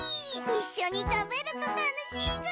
いっしょにたべるとたのしいぐ！